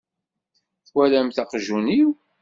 Twalamt aqjun-iw?